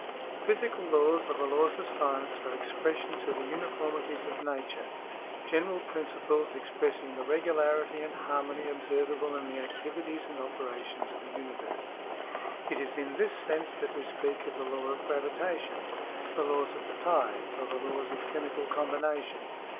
Physical laws or the laws of science are expressions of the uniformities of nature — general principles expressing the regularity and harmony observable in the activities and operations of the universe. It is in this sense that we speak of the law of gravitation, the laws of the tides, or the laws of chemical combination.